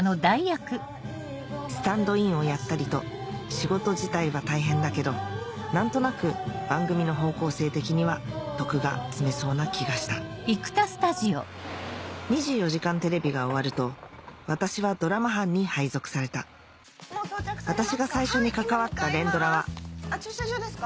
スタンドインをやったりと仕事自体は大変だけど何となく番組の方向性的には徳が積めそうな気がした『２４時間テレビ』が終わると私はドラマ班に配属された私が最初に関わった連ドラは駐車場ですか？